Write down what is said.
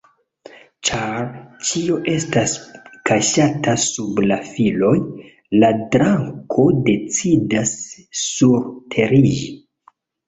Ĉar ĉio estas kaŝata sub la folioj, la drako decidas surteriĝi.